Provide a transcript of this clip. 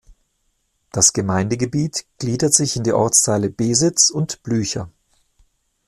Das Gemeindegebiet gliedert sich in die Ortsteile Besitz und Blücher.